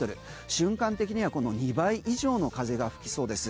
瞬間的にはこの２倍以上の風が吹きそうです。